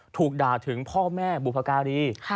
ถูกด่าถึงพ่อแม่บุพการี